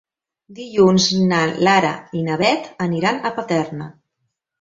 Dilluns na Lara i na Beth aniran a Paterna.